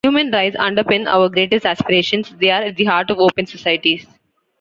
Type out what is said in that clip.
Human rights underpin our greatest aspirations: they're at the heart of open societies.